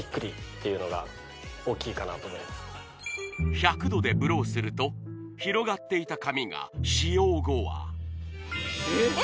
１００℃でブローすると広がっていた髪が使用後はえっ